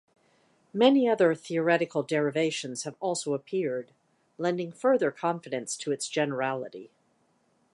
Many other theoretical derivations have also appeared, lending further confidence to its generality.